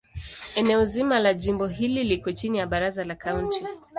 Eneo zima la jimbo hili liko chini ya Baraza la Kaunti.